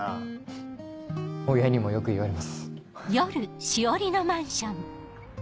フッ親にもよく言われます。